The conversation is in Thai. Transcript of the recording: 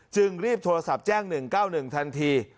จึงรีบโทรศัพท์แจ้ง๑๙๑ทันที